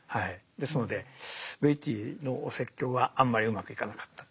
ですのでベイティーのお説教はあんまりうまくいかなかった。